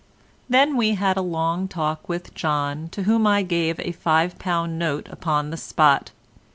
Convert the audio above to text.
Then we had a long talk with John, to whom I gave a £5 note upon the spot.